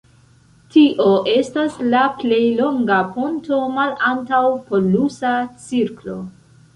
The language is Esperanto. Tio estas la plej longa ponto malantaŭ polusa cirklo.